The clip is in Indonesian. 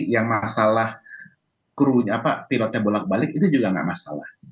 yang masalah krunya pilotnya bolak balik itu juga nggak masalah